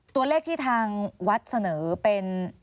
ตัวเลขที่ทางวัดเสนอเป็น